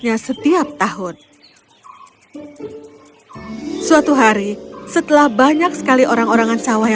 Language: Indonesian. iya iya iya iya semoga rian dan rodney tersenyum bersama dan akan selalu membawanya